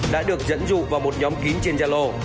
đã được dẫn dụ vào một nhóm kín trên gia lô